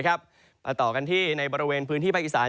ต่อกันที่ในบริเวณพื้นที่ภาคอีสาน